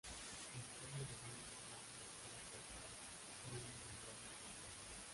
Dispone de varios órganos de apoyo personal y una Unidad de Estudios.